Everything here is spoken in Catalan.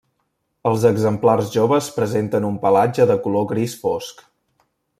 Els exemplars joves presenten un pelatge de color gris fosc.